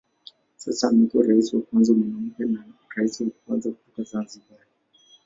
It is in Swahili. Sasa amekuwa rais wa kwanza mwanamke na rais wa kwanza kutoka Zanzibar.